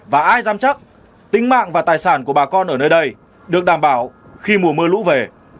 và ai dám chắc tính mạng và tài sản của bà con ở nơi đây được đảm bảo khi mùa mưa lũ về